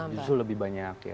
justru lebih banyak ya